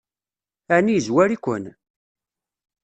Ɛni yezwar-iken?